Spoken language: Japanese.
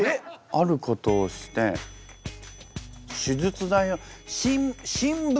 あることをして手術代。